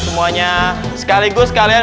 semuanya sekaligus kalian